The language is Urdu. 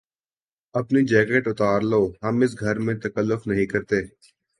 اپنی جیکٹ اتار لو۔ ہم اس گھر میں تکلف نہیں کرتے